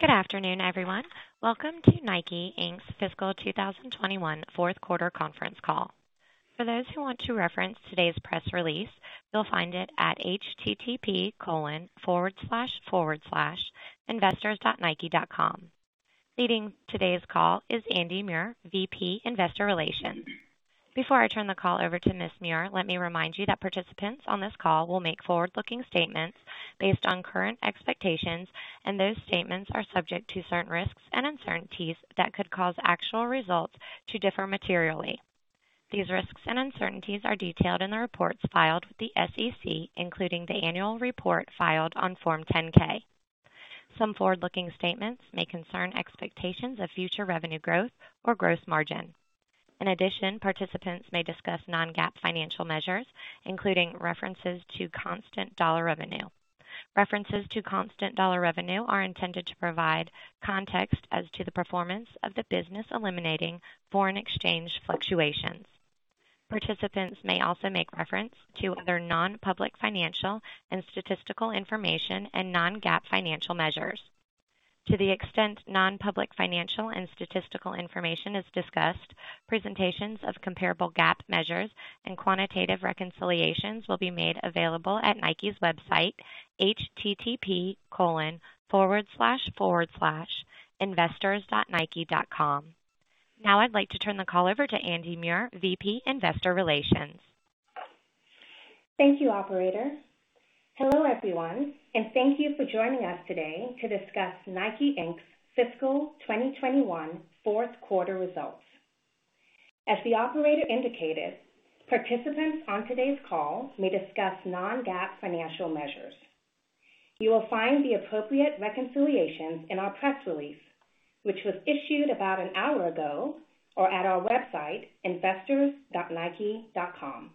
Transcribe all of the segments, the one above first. Good afternoon, everyone. Welcome to Nike, Inc's fiscal 2021 fourth quarter conference call. For those who want to reference today's press release, you'll find it at http://investors.nike.com. Leading today's call is Andy Muir, VP Investor Relations. Before I turn the call over to Ms. Muir, let me remind you that participants on this call will make forward-looking statements based on current expectations, and those statements are subject to certain risks and uncertainties that could cause actual results to differ materially. These risks and uncertainties are detailed in the reports filed with the SEC, including the annual report filed on Form 10-K. Some forward-looking statements may concern expectations of future revenue growth or gross margin. In addition, participants may discuss non-GAAP financial measures, including references to constant dollar revenue. References to constant dollar revenue are intended to provide context as to the performance of the business eliminating foreign exchange fluctuations. Participants may also make reference to other non-public financial and statistical information and non-GAAP financial measures. To the extent non-public financial and statistical information is discussed, presentations of comparable GAAP measures and quantitative reconciliations will be made available at Nike's website, http://investors.nike.com. Now I'd like to turn the call over to Andy Muir, VP Investor Relations. Thank you, operator. Hello, everyone, and thank you for joining us today to discuss Nike, Inc's fiscal 2021 fourth quarter results. As the operator indicated, participants on today's call may discuss non-GAAP financial measures. You will find the appropriate reconciliations in our press release, which was issued about an hour ago or at our website, investors.nike.com.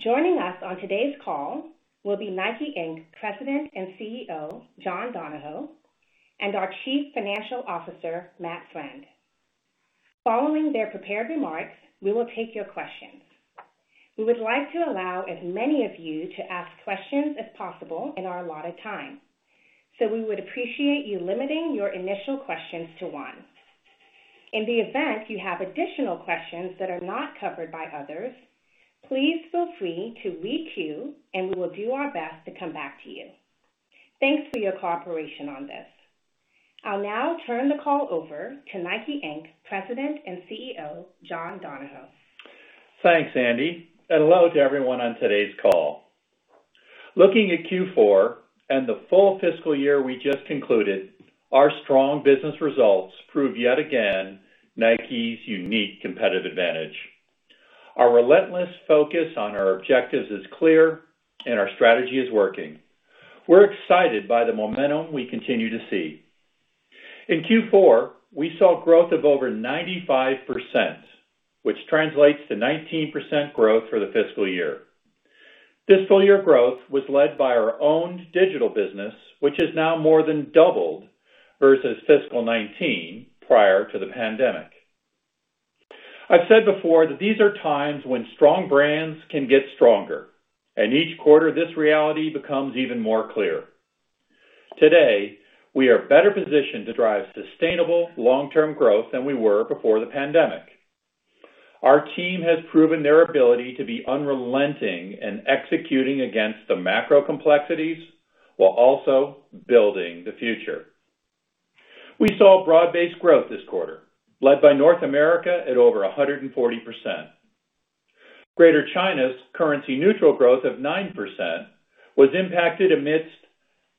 Joining us on today's call will be Nike, Inc President and CEO, John Donahoe, and our Chief Financial Officer, Matthew Friend. Following their prepared remarks, we will take your questions. We would like to allow as many of you to ask questions as possible in our allotted time. We would appreciate you limiting your initial questions to one. In the event you have additional questions that are not covered by others, please feel free to re-queue, and we will do our best to come back to you. Thanks for your cooperation on this. I'll now turn the call over to Nike, Inc President and CEO, John Donahoe. Thanks, Andy, and hello to everyone on today's call. Looking at Q4 and the full fiscal year we just concluded, our strong business results prove yet again Nike's unique competitive advantage. Our relentless focus on our objectives is clear and our strategy is working. We're excited by the momentum we continue to see. In Q4, we saw growth of over 95%, which translates to 19% growth for the fiscal year. Fiscal year growth was led by our own digital business, which has now more than doubled versus FY 2019 prior to the pandemic. I've said before that these are times when strong brands can get stronger, and each quarter this reality becomes even more clear. Today, we are better positioned to drive sustainable long-term growth than we were before the pandemic. Our team has proven their ability to be unrelenting in executing against the macro complexities while also building the future. We saw broad-based growth this quarter, led by North America at over 140%. Greater China's currency neutral growth of 9% was impacted amidst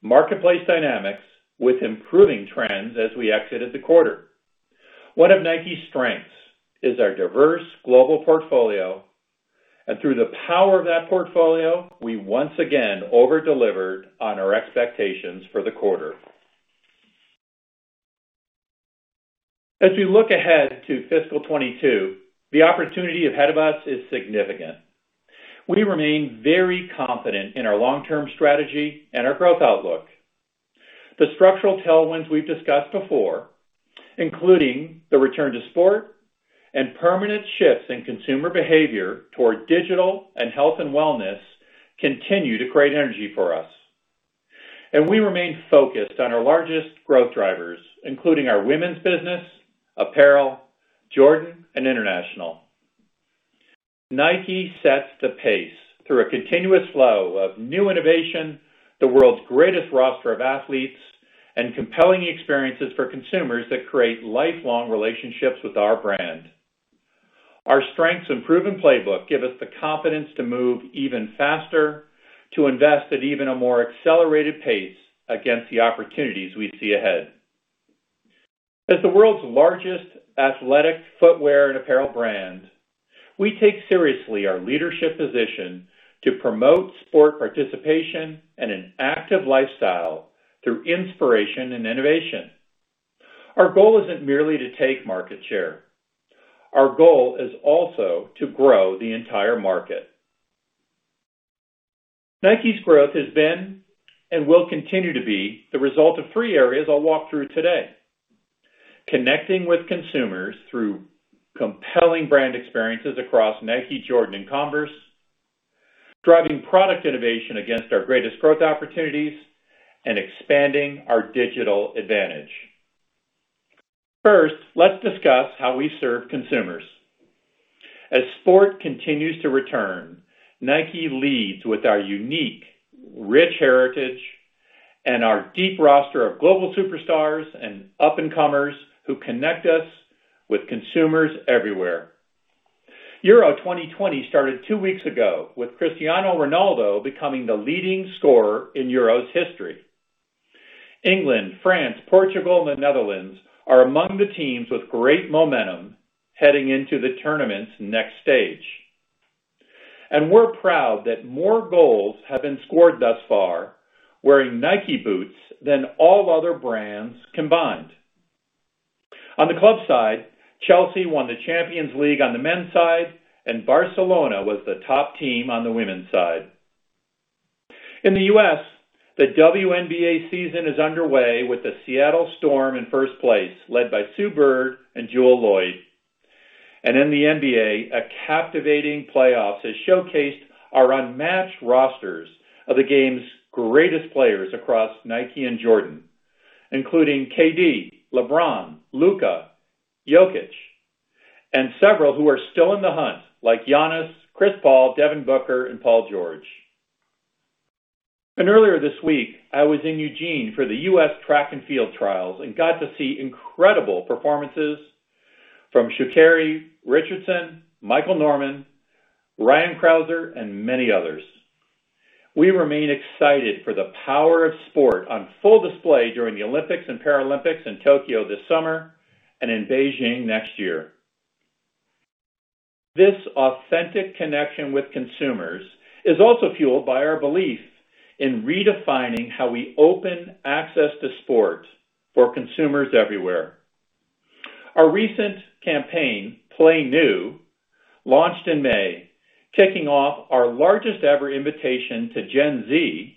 marketplace dynamics with improving trends as we exited the quarter. One of Nike's strengths is our diverse global portfolio, and through the power of that portfolio, we once again over-delivered on our expectations for the quarter. As we look ahead to fiscal 2022, the opportunity ahead of us is significant. We remain very confident in our long-term strategy and our growth outlook. The structural tailwinds we've discussed before, including the return to sport and permanent shifts in consumer behavior toward digital and health and wellness, continue to create energy for us. We remain focused on our largest growth drivers, including our women's business, apparel, Jordan, and international. Nike sets the pace through a continuous flow of new innovation, the world's greatest roster of athletes, and compelling experiences for consumers that create lifelong relationships with our brand. Our strengths and proven playbook give us the confidence to move even faster, to invest at even a more accelerated pace against the opportunities we see ahead. As the world's largest athletic footwear and apparel brand, we take seriously our leadership position to promote sport participation and an active lifestyle through inspiration and innovation. Our goal isn't merely to take market share. Our goal is also to grow the entire market. Nike's growth has been and will continue to be the result of three areas I'll walk through today. Connecting with consumers through compelling brand experiences across Nike, Jordan, and Converse. Driving product innovation against our greatest growth opportunities and expanding our digital advantage. First, let's discuss how we serve consumers. As sport continues to return, Nike leads with our unique, rich heritage and our deep roster of global superstars and up-and-comers who connect us with consumers everywhere. Euro 2020 started two weeks ago, with Cristiano Ronaldo becoming the leading scorer in Euro's history. England, France, Portugal, and the Netherlands are among the teams with great momentum heading into the tournament's next stage. We're proud that more goals have been scored thus far wearing Nike boots than all other brands combined. On the club side, Chelsea won the Champions League on the men's side, and Barcelona was the top team on the women's side. In the U.S., the WNBA season is underway with the Seattle Storm in first place, led by Sue Bird and Jewell Loyd. In the NBA, a captivating playoff has showcased our unmatched rosters of the game's greatest players across Nike and Jordan, including KD, LeBron, Luka, Jokic, and several who are still in the hunt, like Giannis, Chris Paul, Devin Booker, and Paul George. Earlier this week, I was in Eugene for the U.S. Track and Field Trials and got to see incredible performances from Sha'Carri Richardson, Michael Norman, Ryan Crouser, and many others. We remain excited for the power of sport on full display during the Olympics and Paralympics in Tokyo this summer and in Beijing next year. This authentic connection with consumers is also fueled by our belief in redefining how we open access to sport for consumers everywhere. Our recent campaign, Play New, launched in May, kicking off our largest-ever invitation to Gen Z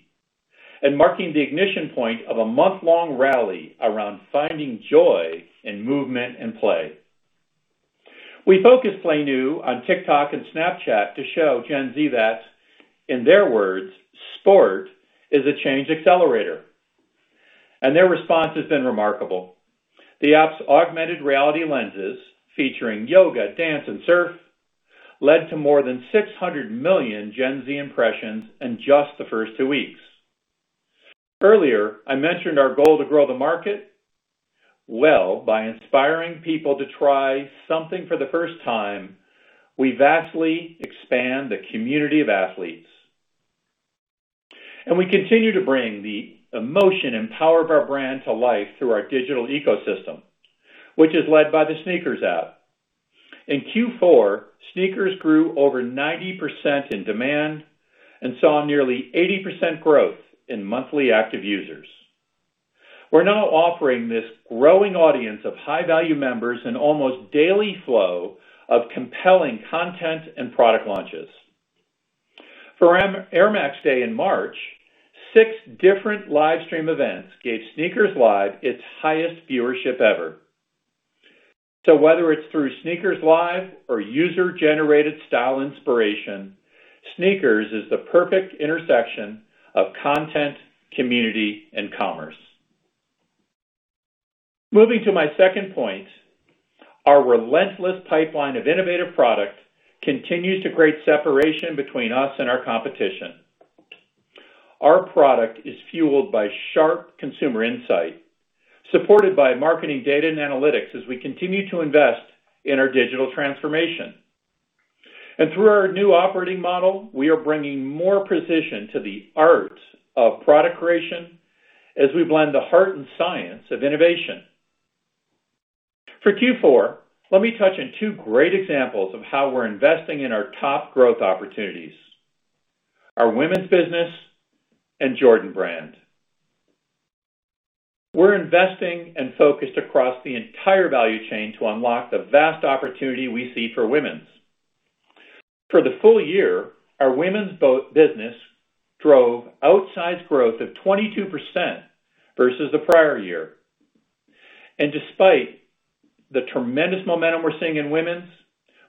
and marking the ignition point of a month-long rally around finding joy in movement and play. We focused Play New on TikTok and Snapchat to show Gen Z that, in their words, sport is a change accelerator. Their response has been remarkable. The app's augmented reality lenses featuring yoga, dance, and surf led to more than 600 million Gen Z impressions in just the first two weeks. Earlier, I mentioned our goal to grow the market. Well, by inspiring people to try something for the first time, we vastly expand the community of athletes. We continue to bring the emotion and power of our brand to life through our digital ecosystem, which is led by the SNKRS app. In Q4, SNKRS grew over 90% in demand and saw nearly 80% growth in monthly active users. We're now offering this growing audience of high-value members an almost daily flow of compelling content and product launches. For Air Max Day in March, six different live stream events gave SNKRS Live its highest viewership ever. Whether it's through SNKRS Live or user-generated style inspiration, SNKRS is the perfect intersection of content, community, and commerce. Moving to my second point, our relentless pipeline of innovative product continues to create separation between us and our competition. Our product is fueled by sharp consumer insight, supported by marketing data and analytics as we continue to invest in our digital transformation. Through our new operating model, we are bringing more precision to the art of product creation as we blend the heart and science of innovation. For Q4, let me touch on two great examples of how we're investing in our top growth opportunities, our women's business and Jordan Brand. We're investing and focused across the entire value chain to unlock the vast opportunity we see for women's. For the full year, our women's business drove outsized growth of 22% versus the prior year. Despite the tremendous momentum we're seeing in women's,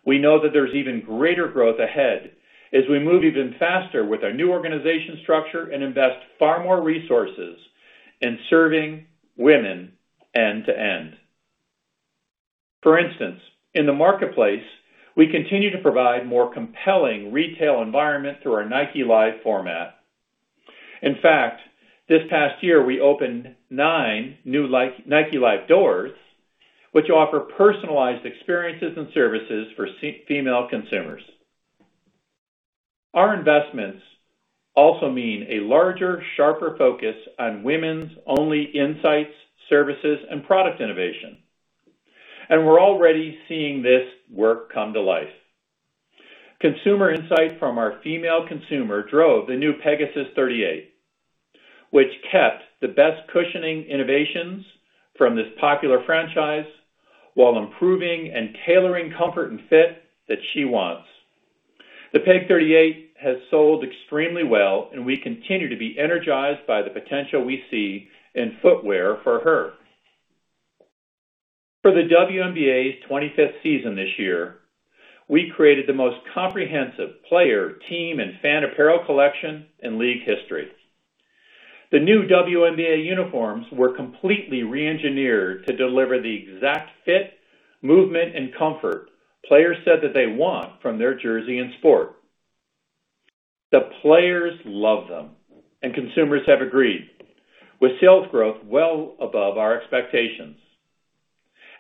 we know that there's even greater growth ahead as we move even faster with our new organization structure and invest far more resources in serving women end-to-end. For instance, in the marketplace, we continue to provide more compelling retail environment through our Nike Live format. In fact, this past year, we opened nine new like Nike Live doors, which offer personalized experiences and services for female consumers. Our investments also mean a larger, sharper focus on women's only insights, services, and product innovation. We're already seeing this work come to life. Consumer insight from our female consumer drove the new Pegasus 38, which kept the best cushioning innovations from this popular franchise while improving and tailoring comfort and fit that she wants. The Peg 38 has sold extremely well, and we continue to be energized by the potential we see in footwear for her. For the WNBA's 25th season this year, we created the most comprehensive player, team, and fan apparel collection in league history. The new WNBA uniforms were completely re-engineered to deliver the exact fit, movement, and comfort players said that they want from their jersey in sport. The players love them, and consumers have agreed, with sales growth well above our expectations.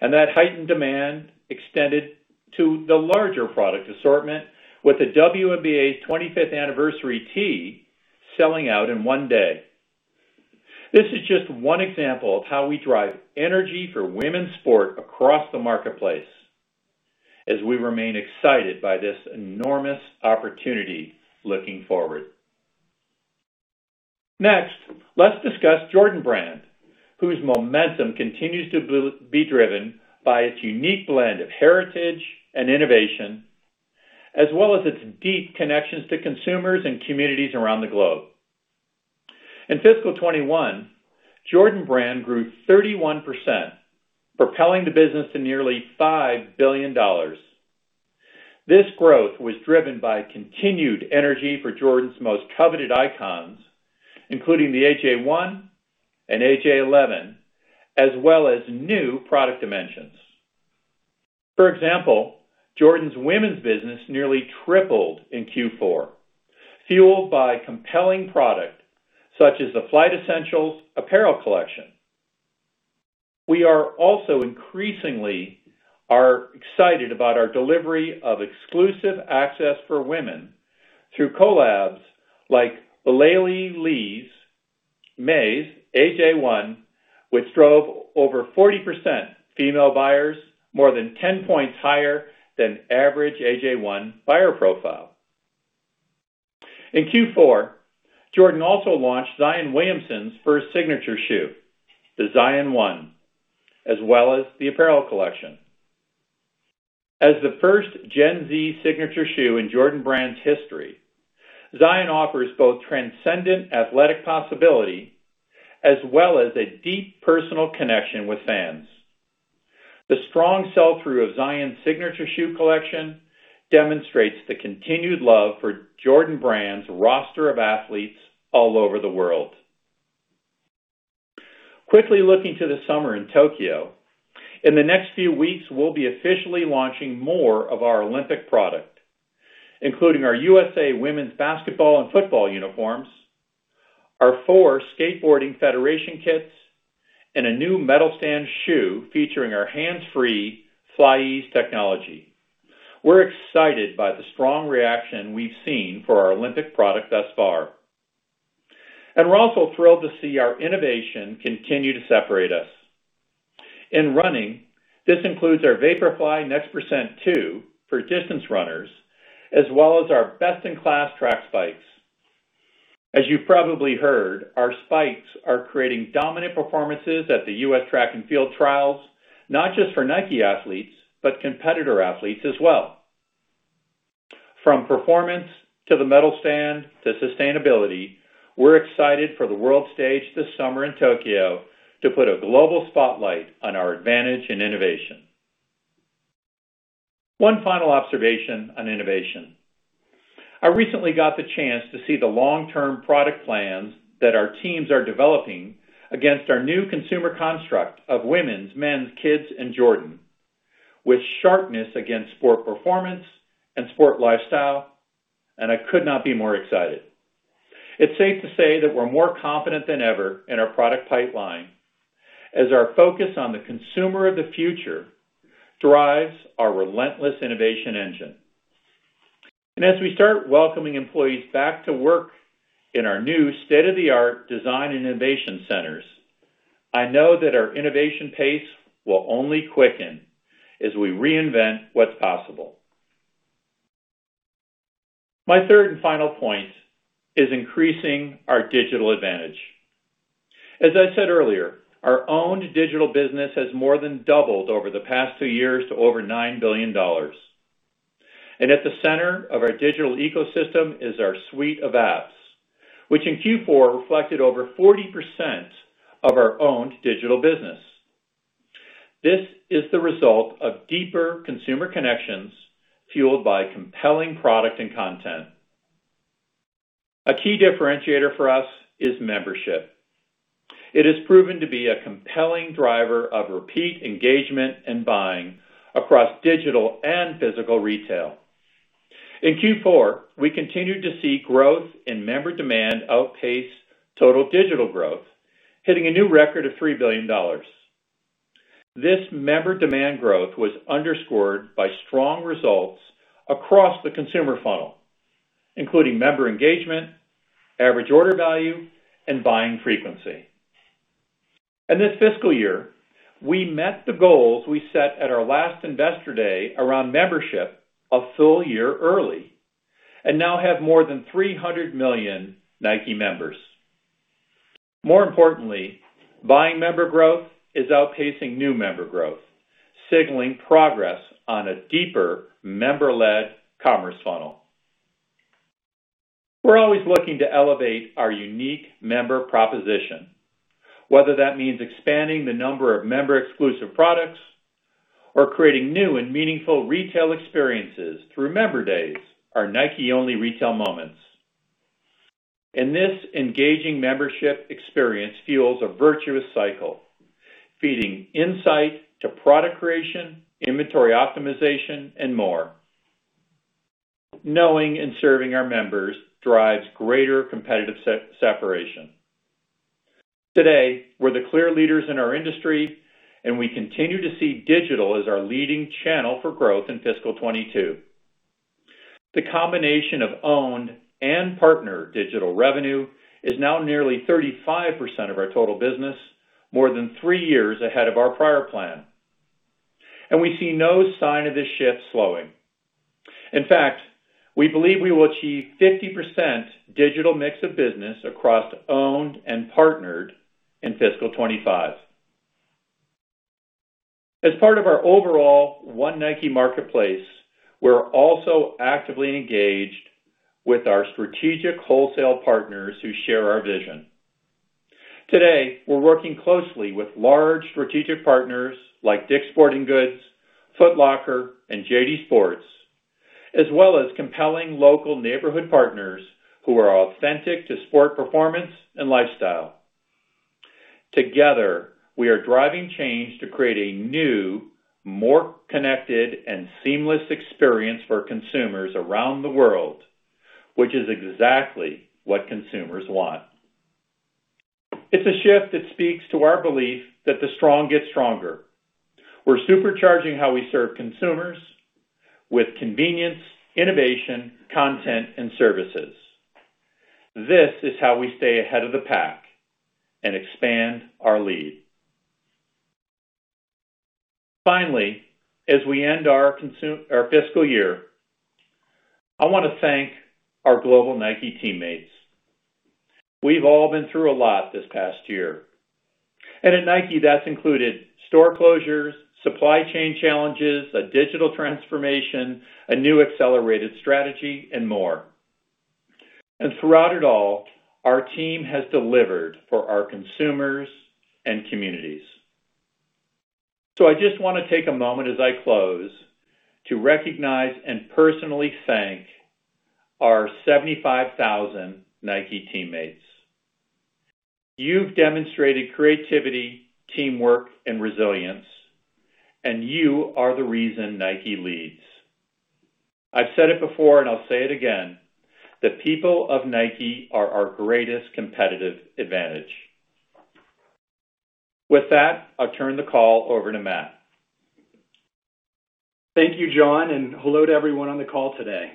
That heightened demand extended to the larger product assortment with the WNBA's 25th anniversary tee selling out in one day. This is just one example of how we drive energy for women's sport across the marketplace as we remain excited by this enormous opportunity looking forward. Next, let's discuss Jordan Brand, whose momentum continues to be driven by its unique blend of heritage and innovation, as well as its deep connections to consumers and communities around the globe. In fiscal 2021, Jordan Brand grew 31%, propelling the business to nearly $5 billion. This growth was driven by continued energy for Jordan's most coveted icons, including the AJ1 and AJ11, as well as new product dimensions. For example, Jordan's women's business nearly tripled in Q4, fueled by compelling product, such as the Flight Essentials apparel collection. We are also increasingly are excited about our delivery of exclusive access for women through collabs like Aleali May's AJ1, which drove over 40% female buyers, more than 10 points higher than average AJ1 buyer profile. In Q4, Jordan also launched Zion Williamson's first signature shoe, the Zion 1, as well as the apparel collection. As the first Gen Z signature shoe in Jordan Brand's history, Zion offers both transcendent athletic possibility as well as a deep personal connection with fans. The strong sell-through of Zion's signature shoe collection demonstrates the continued love for Jordan Brand's roster of athletes all over the world. Quickly looking to the summer in Tokyo. In the next few weeks, we'll be officially launching more of our Olympic product, including our USA women's basketball and football uniforms, our four skateboarding federation kits, and a new Medal Stand shoe featuring our hands-free FlyEase technology. We're excited by the strong reaction we've seen for our Olympic product thus far. We're also thrilled to see our innovation continue to separate us. In running, this includes our Nike ZoomX Vaporfly NEXT% 2 for distance runners, as well as our best-in-class track spikes. As you probably heard, our spikes are creating dominant performances at the U.S. Track and Field Olympic Trials, not just for Nike athletes, but competitor athletes as well. From performance to the Medal Stand to sustainability, we're excited for the world stage this summer in Tokyo to put a global spotlight on our advantage in innovation. One final observation on innovation. I recently got the chance to see the long-term product plans that our teams are developing against our new consumer construct of women's, men's, kids, and Jordan with sharpness against sport performance and sport lifestyle, and I could not be more excited. It's safe to say that we're more confident than ever in our product pipeline as our focus on the consumer of the future drives our relentless innovation engine. As we start welcoming employees back to work in our new state-of-the-art design and innovation centers, I know that our innovation pace will only quicken as we reinvent what's possible. My third and final point is increasing our digital advantage. As I said earlier, our owned digital business has more than doubled over the past two years to over $9 billion. At the center of our digital ecosystem is our suite of apps, which in Q4, reflected over 40% of our owned digital business. This is the result of deeper consumer connections fueled by compelling product and content. A key differentiator for us is membership. It has proven to be a compelling driver of repeat engagement and buying across digital and physical retail. In Q4, we continued to see growth in member demand outpace total digital growth, hitting a new record of $3 billion. This member demand growth was underscored by strong results across the consumer funnel, including member engagement, average order value, and buying frequency. In this fiscal year, we met the goals we set at our last investor day around membership a full year early and now have more than 300 million Nike members. More importantly, buying member growth is outpacing new member growth, signaling progress on a deeper member-led commerce funnel. We're always looking to elevate our unique member proposition. Whether that means expanding the number of member exclusive products or creating new and meaningful retail experiences through Member Days, our Nike only retail moments. This engaging membership experience fuels a virtuous cycle, feeding insight to product creation, inventory optimization, and more. Knowing and serving our members drives greater competitive separation. Today, we're the clear leaders in our industry, we continue to see digital as our leading channel for growth in fiscal 2022. The combination of owned and partner digital revenue is now nearly 35% of our total business, more than three years ahead of our prior plan. We see no sign of this shift slowing. In fact, we believe we will achieve 50% digital mix of business across owned and partnered in fiscal 2025. As part of our overall One Nike Marketplace, we're also actively engaged with our strategic wholesale partners who share our vision. Today, we're working closely with large strategic partners like Dick's Sporting Goods, Foot Locker, and JD Sports, as well as compelling local neighborhood partners who are authentic to sport performance and lifestyle. Together, we are driving change to create a new, more connected and seamless experience for consumers around the world, which is exactly what consumers want. It's a shift that speaks to our belief that the strong get stronger. We're supercharging how we serve consumers with convenience, innovation, content, and services. This is how we stay ahead of the pack and expand our lead. Finally, as we end our fiscal year, I wanna thank our global Nike teammates. We've all been through a lot this past year. At Nike, that's included store closures, supply chain challenges, a digital transformation, a new accelerated strategy, and more. Throughout it all, our team has delivered for our consumers and communities. I just wanna take a moment as I close to recognize and personally thank our 75,000 Nike teammates. You've demonstrated creativity, teamwork, and resilience, and you are the reason Nike leads. I've said it before and I'll say it again, the people of Nike are our greatest competitive advantage. With that, I'll turn the call over to Matt. Thank you, John, hello to everyone on the call today.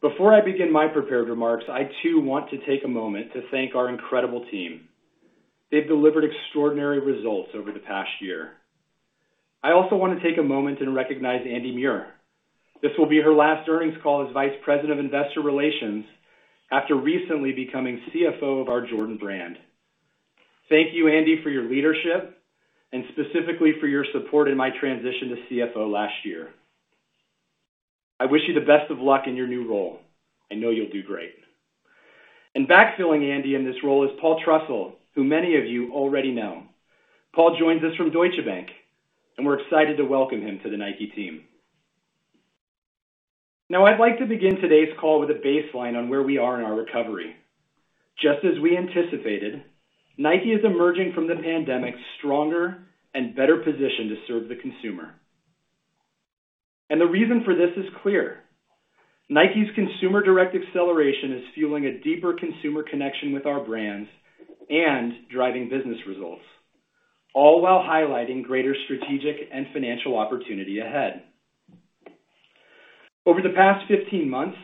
Before I begin my prepared remarks, I too want to take a moment to thank our incredible team. They've delivered extraordinary results over the past year. I also want to take a moment and recognize Andy Muir. This will be her last earnings call as Vice President of Investor Relations after recently becoming CFO of our Jordan Brand. Thank you, Andy, for your leadership and specifically for your support in my transition to CFO last year. I wish you the best of luck in your new role. I know you'll do great. Backfilling Andy in this role is Paul Trussell, who many of you already know. Paul joins us from Deutsche Bank, we're excited to welcome him to the Nike team. Now, I'd like to begin today's call with a baseline on where we are in our recovery. Just as we anticipated, Nike is emerging from the pandemic stronger and better positioned to serve the consumer. The reason for this is clear. Nike's Consumer Direct Acceleration is fueling a deeper consumer connection with our brands and driving business results, all while highlighting greater strategic and financial opportunity ahead. Over the past 15 months,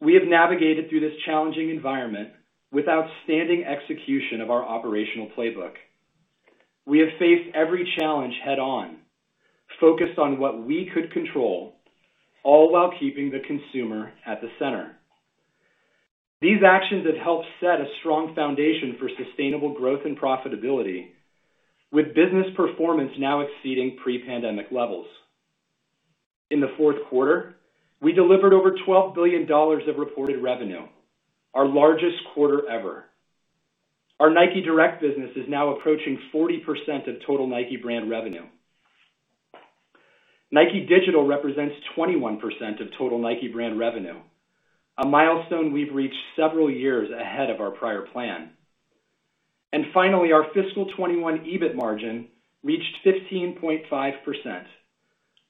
we have navigated through this challenging environment with outstanding execution of our operational playbook. We have faced every challenge head on, focused on what we could control, all while keeping the consumer at the center. These actions have helped set a strong foundation for sustainable growth and profitability, with business performance now exceeding pre-pandemic levels. In the fourth quarter, we delivered over $12 billion of reported revenue, our largest quarter ever. Our Nike Direct business is now approaching 40% of total Nike brand revenue. Nike Digital represents 21% of total Nike brand revenue, a milestone we've reached several years ahead of our prior plan. Finally, our fiscal 2021 EBIT margin reached 15.5%,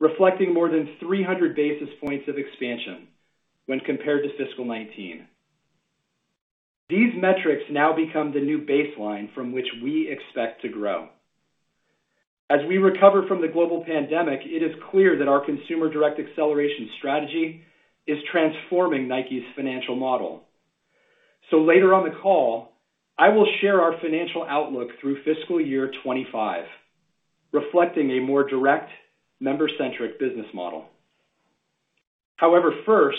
reflecting more than 300 basis points of expansion when compared to fiscal 2019. These metrics now become the new baseline from which we expect to grow. As we recover from the global pandemic, it is clear that our Consumer Direct Acceleration strategy is transforming Nike's financial model. Later on the call, I will share our financial outlook through fiscal year 2025, reflecting a more direct member-centric business model. First,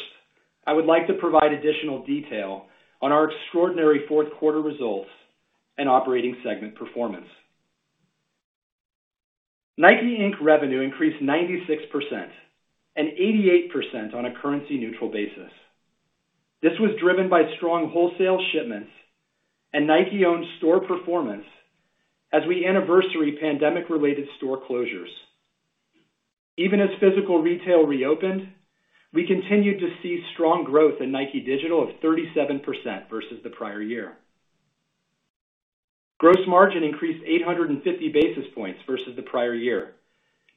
I would like to provide additional detail on our extraordinary fourth quarter results and operating segment performance. Nike Inc revenue increased 96% and 88% on a currency neutral basis. This was driven by strong wholesale shipments and Nike owned store performance as we anniversary pandemic related store closures. Even as physical retail reopened, we continued to see strong growth in Nike Digital of 37% versus the prior year. Gross margin increased 850 basis points versus the prior year,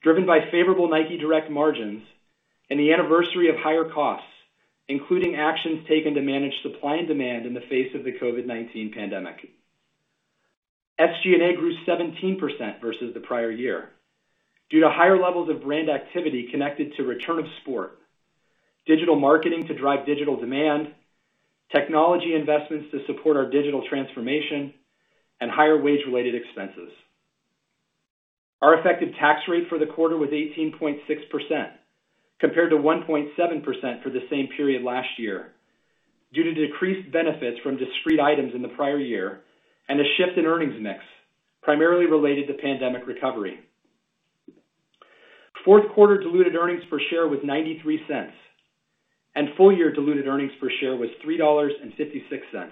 driven by favorable Nike Direct margins and the anniversary of higher costs, including actions taken to manage supply and demand in the face of the COVID-19 pandemic. SG&A grew 17% versus the prior year due to higher levels of brand activity connected to return of sport, digital marketing to drive digital demand, technology investments to support our digital transformation and higher wage related expenses. Our effective tax rate for the quarter was 18.6% compared to 1.7% for the same period last year due to decreased benefits from discrete items in the prior year and a shift in earnings mix primarily related to pandemic recovery. Fourth quarter diluted earnings per share was $0.93, and full year diluted earnings per share was $3.56,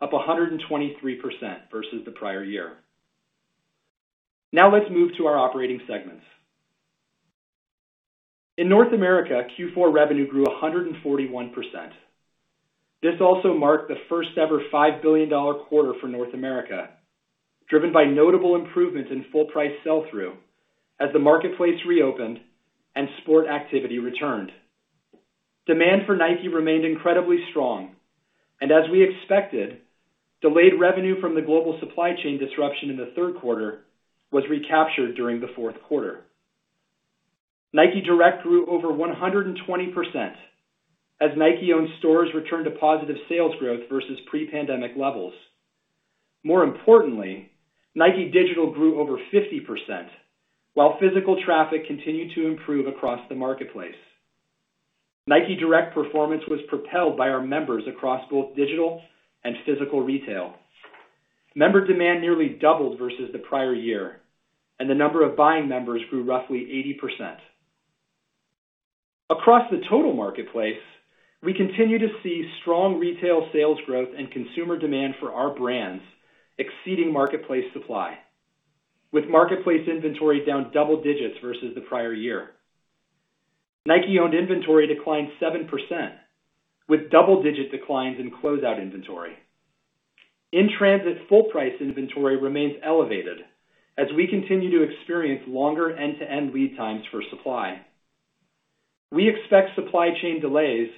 up 123% versus the prior year. Let's move to our operating segments. In North America, Q4 revenue grew 141%. This also marked the first-ever $5 billion quarter for North America, driven by notable improvements in full price sell through as the marketplace reopened and sport activity returned. Demand for Nike remained incredibly strong and as we expected, delayed revenue from the global supply chain disruption in the third quarter was recaptured during the fourth quarter. Nike Direct grew over 120% as Nike owned stores returned to positive sales growth versus pre-pandemic levels. More importantly, Nike Digital grew over 50%, while physical traffic continued to improve across the marketplace. Nike Direct performance was propelled by our members across both digital and physical retail. Member demand nearly doubled versus the prior year, and the number of buying members grew roughly 80%. Across the total marketplace, we continue to see strong retail sales growth and consumer demand for our brands exceeding marketplace supply. With marketplace inventory down double digits versus the prior year. Nike owned inventory declined 7%, with double-digit declines in closeout inventory. In transit, full price inventory remains elevated as we continue to experience longer end-to-end lead times for supply. We expect supply chain delays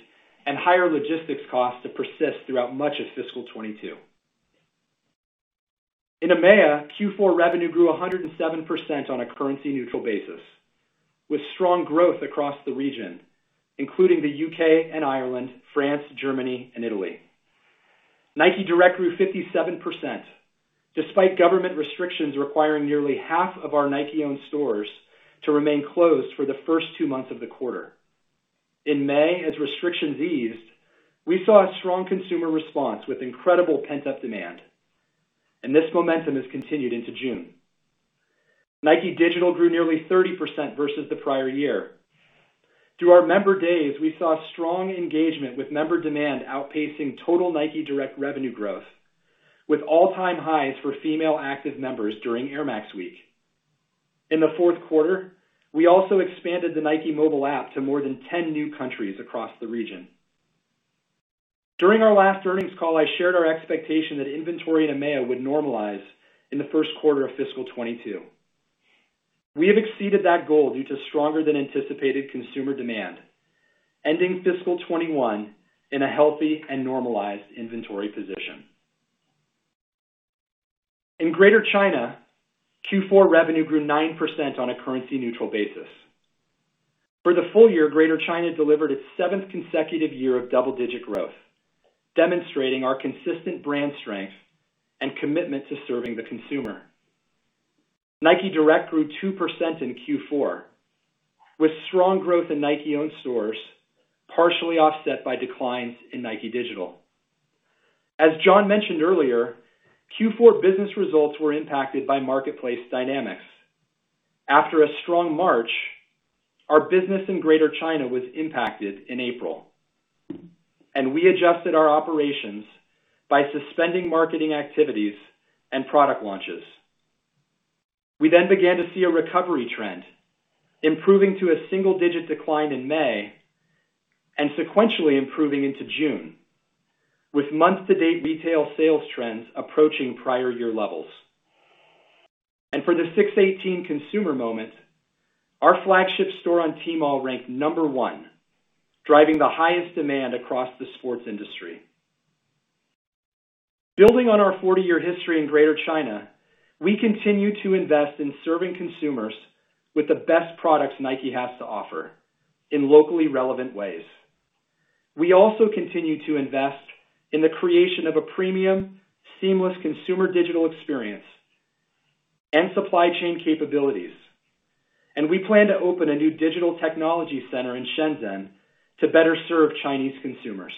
and higher logistics costs to persist throughout much of fiscal 2022. In EMEA, Q4 revenue grew 107% on a currency neutral basis, with strong growth across the region, including the U.K. and Ireland, France, Germany and Italy. Nike Direct grew 57% despite government restrictions requiring nearly half of our Nike-owned stores to remain closed for the first two months of the quarter. In May, as restrictions eased, we saw a strong consumer response with incredible pent-up demand, and this momentum has continued into June. Nike Digital grew nearly 30% versus the prior year. Through our Member Days, we saw strong engagement with member demand outpacing total Nike Direct revenue growth, with all-time highs for female active members during Air Max Week. In the fourth quarter, we also expanded the Nike App to more than 10 new countries across the region. During our last earnings call, I shared our expectation that inventory in EMEA would normalize in the first quarter of fiscal 2022. We have exceeded that goal due to stronger than anticipated consumer demand, ending fiscal 2021 in a healthy and normalized inventory position. In Greater China, Q4 revenue grew 9% on a currency neutral basis. For the full year, Greater China delivered its seventh consecutive year of double-digit growth, demonstrating our consistent brand strength and commitment to serving the consumer. Nike Direct grew 2% in Q4, with strong growth in Nike-owned stores, partially offset by declines in Nike Digital. As John mentioned earlier, Q4 business results were impacted by marketplace dynamics. After a strong March, our business in Greater China was impacted in April, and we adjusted our operations by suspending marketing activities and product launches. We began to see a recovery trend, improving to a single-digit decline in May and sequentially improving into June, with month-to-date retail sales trends approaching prior year levels. For the 618 consumer moment, our flagship store on Tmall ranked number one, driving the highest demand across the sports industry. Building on our 40-year history in Greater China, we continue to invest in serving consumers with the best products Nike has to offer in locally relevant ways. We also continue to invest in the creation of a premium, seamless consumer digital experience and supply chain capabilities. We plan to open a new digital technology center in Shenzhen to better serve Chinese consumers.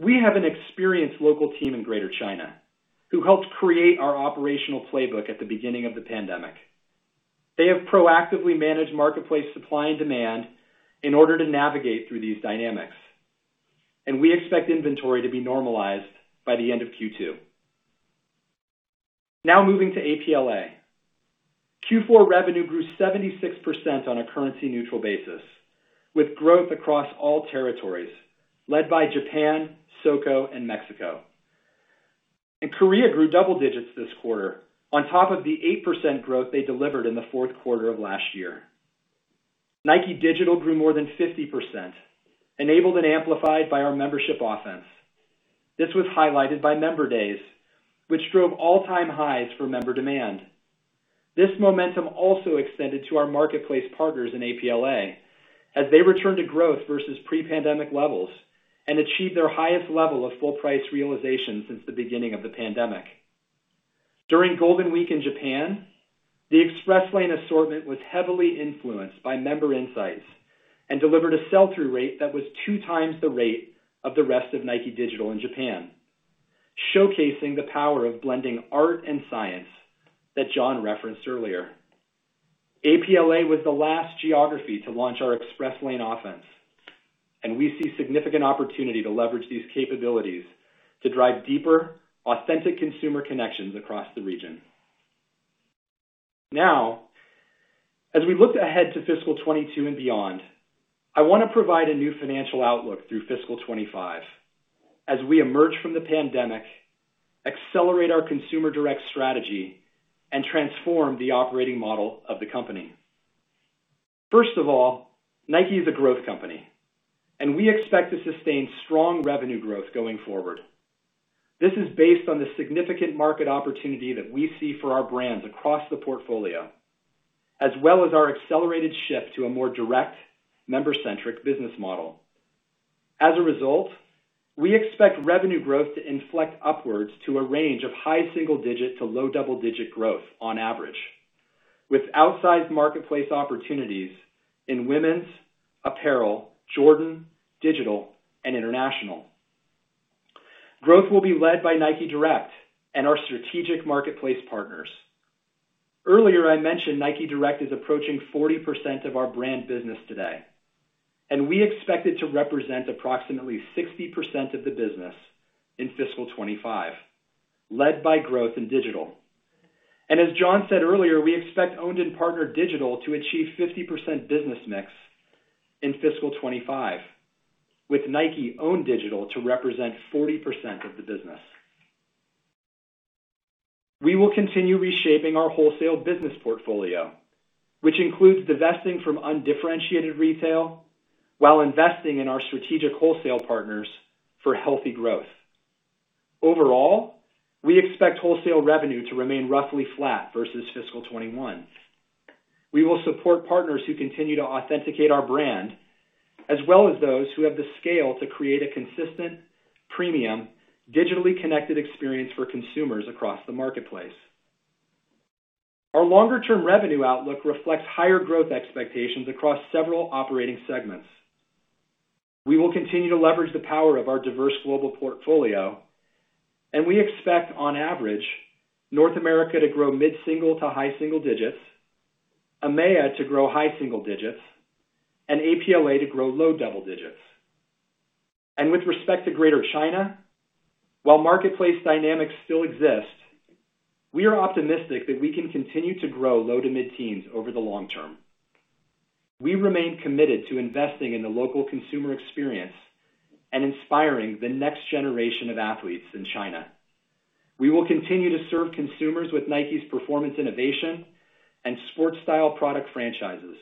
We have an experienced local team in Greater China who helped create our operational playbook at the beginning of the pandemic. They have proactively managed marketplace supply and demand in order to navigate through these dynamics. We expect inventory to be normalized by the end of Q2. Now moving to APLA. Q4 revenue grew 76% on a currency neutral basis, with growth across all territories led by Japan, South Korea, and Mexico. South Korea grew double digits this quarter on top of the 8% growth they delivered in the fourth quarter of last year. Nike Digital grew more than 50%, enabled and amplified by our membership offense. This was highlighted by Member Days, which drove all-time highs for member demand. This momentum also extended to our marketplace partners in APLA as they returned to growth versus pre-pandemic levels and achieved their highest level of full price realization since the beginning of the pandemic. During Golden Week in Japan, the Express Lane assortment was heavily influenced by member insights and delivered a sell-through rate that was 2x the rate of the rest of Nike Digital in Japan, showcasing the power of blending art and science that John referenced earlier. APLA was the last geography to launch our Express Lane offense, and we see significant opportunity to leverage these capabilities to drive deeper, authentic consumer connections across the region. Now, as we look ahead to fiscal 2022 and beyond, I want to provide a new financial outlook through fiscal 2025 as we emerge from the pandemic, accelerate our consumer direct strategy and transform the operating model of the company. First of all, Nike is a growth company, and we expect to sustain strong revenue growth going forward. This is based on the significant market opportunity that we see for our brands across the portfolio, as well as our accelerated shift to a more direct member-centric business model. As a result, we expect revenue growth to inflect upwards to a range of high single-digit to low double-digit growth on average with outsized marketplace opportunities in women's apparel, Jordan, digital and international. Growth will be led by Nike Direct and our strategic marketplace partners. Earlier I mentioned Nike Direct is approaching 40% of our brand business today. We expect it to represent approximately 60% of the business in fiscal 2025, led by growth in digital. As John said earlier, we expect owned and partner digital to achieve 50% business mix in fiscal 2025, with Nike Digital to represent 40% of the business. We will continue reshaping our wholesale business portfolio, which includes divesting from undifferentiated retail while investing in our strategic wholesale partners for healthy growth. Overall, we expect wholesale revenue to remain roughly flat versus fiscal 2021. We will support partners who continue to authenticate our brand, as well as those who have the scale to create a consistent premium, digitally connected experience for consumers across the marketplace. Our longer-term revenue outlook reflects higher growth expectations across several operating segments. We will continue to leverage the power of our diverse global portfolio, and we expect on average North America to grow mid-single to high single digits, EMEA to grow high single digits, and APLA to grow low double digits. With respect to Greater China, while marketplace dynamics still exist, we are optimistic that we can continue to grow low to mid-teens over the long term. We remain committed to investing in the local consumer experience and inspiring the next generation of athletes in China. We will continue to serve consumers with Nike's performance, innovation and sports style product franchises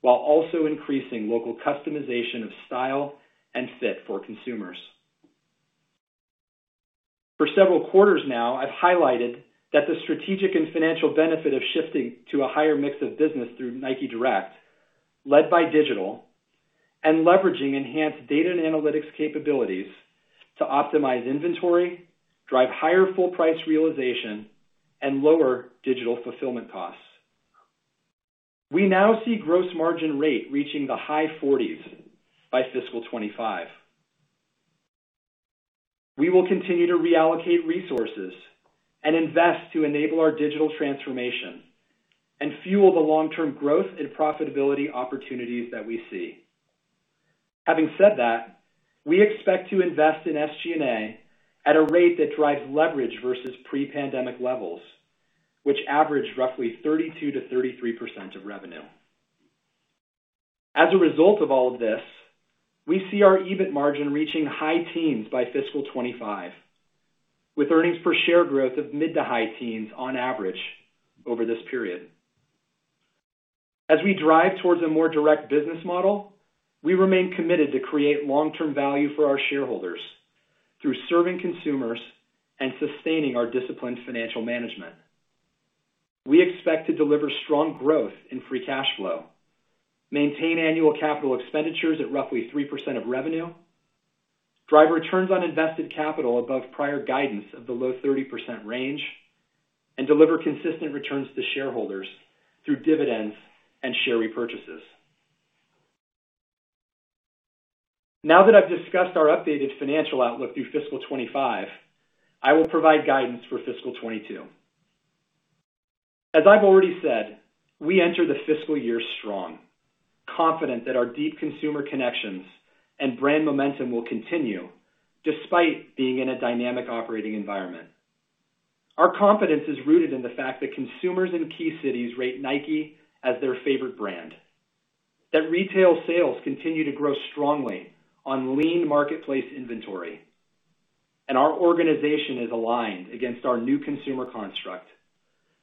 while also increasing local customization of style and fit for consumers. For several quarters now, I've highlighted that the strategic and financial benefit of shifting to a higher mix of business through Nike Direct, led by digital and leveraging enhanced data and analytics capabilities to optimize inventory, drive higher full price realization and lower digital fulfillment costs. We now see gross margin rate reaching the high 40s by fiscal 2025. We will continue to reallocate resources and invest to enable our digital transformation and fuel the long-term growth and profitability opportunities that we see. Having said that, we expect to invest in SG&A at a rate that drives leverage versus pre-pandemic levels, which average roughly 32%-33% of revenue. As a result of all of this, we see our EBIT margin reaching high teens by fiscal 2025, with earnings per share growth of mid to high teens on average over this period. As we drive towards a more direct business model, we remain committed to create long-term value for our shareholders through serving consumers and sustaining our disciplined financial management. We expect to deliver strong growth in free cash flow, maintain annual capital expenditures at roughly 3% of revenue, drive returns on invested capital above prior guidance of the low 30% range. Deliver consistent returns to shareholders through dividends and share repurchases. Now that I've discussed our updated financial outlook through fiscal 2025, I will provide guidance for fiscal 2022. As I've already said, we enter the fiscal year strong, confident that our deep consumer connections and brand momentum will continue despite being in a dynamic operating environment. Our confidence is rooted in the fact that consumers in key cities rate Nike as their favorite brand, that retail sales continue to grow strongly on lean marketplace inventory. Our organization is aligned against our new consumer construct,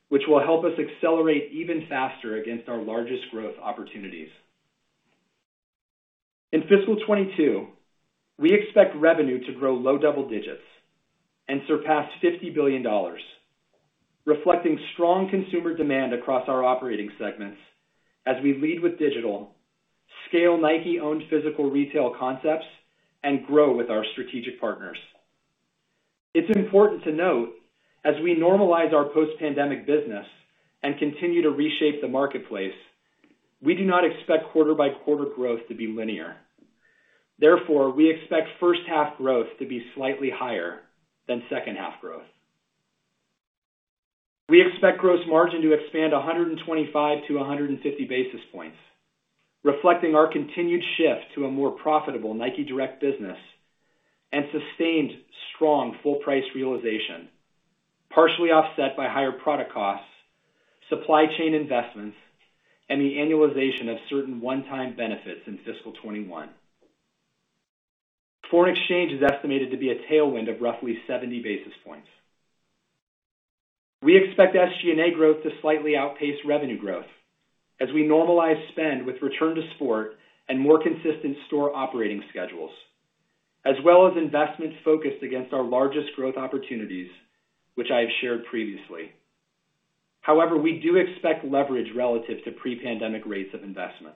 which will help us accelerate even faster against our largest growth opportunities. In fiscal 2022, we expect revenue to grow low double digits and surpass $50 billion, reflecting strong consumer demand across our operating segments as we lead with Nike Digital, scale Nike-owned physical retail concepts, and grow with our strategic partners. It's important to note, as we normalize our post-pandemic business and continue to reshape the marketplace, we do not expect quarter-by-quarter growth to be linear. We expect first half growth to be slightly higher than second half growth. We expect gross margin to expand 125 basis points-150 basis points, reflecting our continued shift to a more profitable Nike Direct business and sustained strong full price realization, partially offset by higher product costs, supply chain investments, and the annualization of certain one-time benefits in fiscal 2021. Foreign exchange is estimated to be a tailwind of roughly 70 basis points. We expect SG&A growth to slightly outpace revenue growth as we normalize spend with return to sport and more consistent store operating schedules, as well as investments focused against our largest growth opportunities, which I have shared previously. However, we do expect leverage relative to pre-pandemic rates of investment.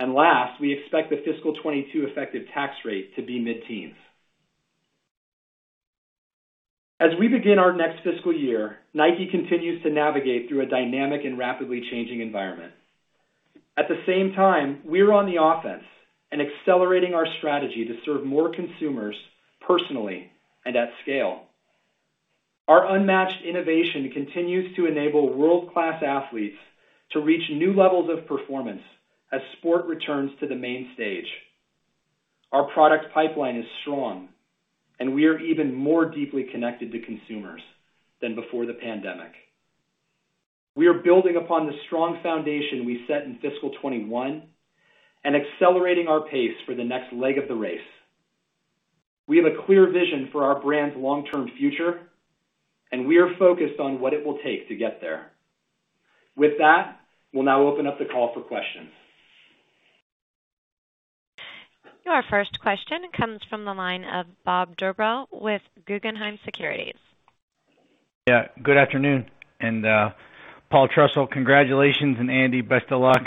Last, we expect the fiscal 2022 effective tax rate to be mid-teens. As we begin our next fiscal year, Nike continues to navigate through a dynamic and rapidly changing environment. At the same time, we're on the offense and accelerating our strategy to serve more consumers personally and at scale. Our unmatched innovation continues to enable world-class athletes to reach new levels of performance as sport returns to the main stage. Our product pipeline is strong, and we are even more deeply connected to consumers than before the pandemic. We are building upon the strong foundation we set in fiscal 2021 and accelerating our pace for the next leg of the race. We have a clear vision for our brand's long-term future, and we are focused on what it will take to get there. With that, we'll now open up the call for questions. Your first question comes from the line of Bob Drbul with Guggenheim Securities. Good afternoon. Paul Trussell, congratulations. Andy, best of luck.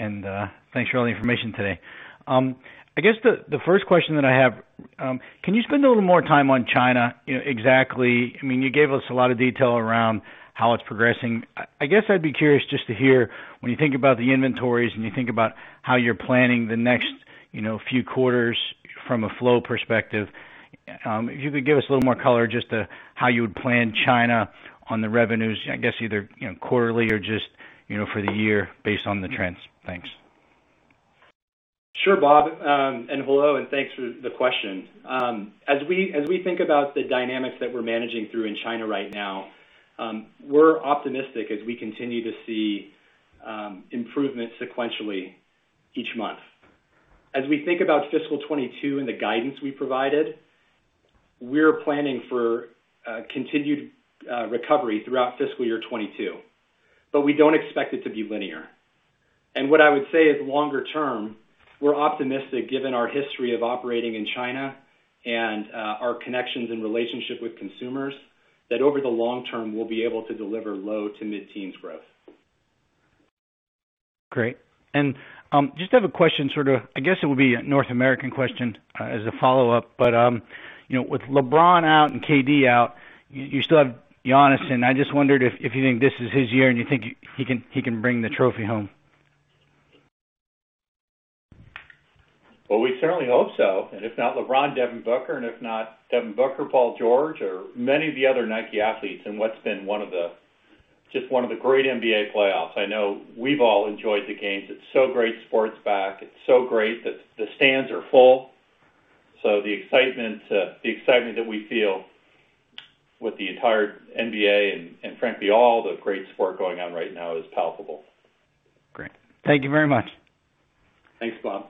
Thanks for all the information today. I guess the first question that I have, can you spend a little more time on China? You know, exactly I mean, you gave us a lot of detail around how it's progressing. I guess I'd be curious just to hear, when you think about the inventories and you think about how you're planning the next, you know, few quarters from a flow perspective, if you could give us a little more color just to how you would plan China on the revenues, I guess either, you know, quarterly or just, you know, for the year based on the trends. Thanks. Sure, Bob. Hello, and thanks for the question. As we think about the dynamics that we're managing through in China right now, we're optimistic as we continue to see improvement sequentially each month. As we think about fiscal 2022 and the guidance we provided, we're planning for continued recovery throughout fiscal year 2022, we don't expect it to be linear. What I would say is longer term, we're optimistic, given our history of operating in China and our connections and relationship with consumers, that over the long term, we'll be able to deliver low to mid-teens growth. Great. Just have a question sort of, I guess it would be a North American question, as a follow-up. You know, with LeBron out and KD out, you still have Giannis. I just wondered if you think this is his year and you think he can bring the trophy home. Well, we certainly hope so. If not LeBron, Devin Booker, and if not Devin Booker, Paul George or many of the other Nike athletes in what's been just one of the great NBA playoffs. I know we've all enjoyed the games. It's so great sports back. It's so great that the stands are full. The excitement that we feel with the entire NBA and, frankly, all the great sport going on right now is palpable. Great. Thank you very much. Thanks, Bob.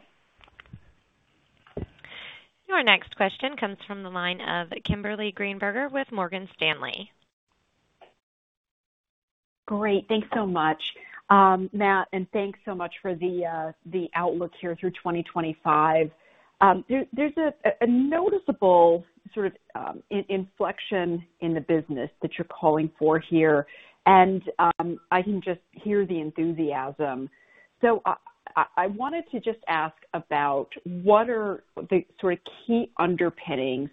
Your next question comes from the line of Kimberly Greenberger with Morgan Stanley. Great. Thanks so much, Matt, and thanks so much for the outlook here through 2025. There's a noticeable sort of inflection in the business that you're calling for here. I can just hear the enthusiasm. I wanted to just ask about what are the sort of key underpinnings